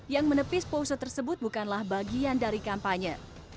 yang menepis pose tersebut bukanlah bagian dari kampanye